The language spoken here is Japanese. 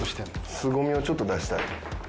すごみをちょっと出したい。